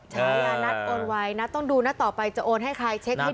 ใช่อะนัทโอนไว้นัทต้องดูนัทต่อไปจะโอนให้ใครเช็คให้ดีก่อน